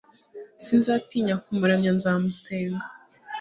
sinzatinya kumuramya, nzamusenga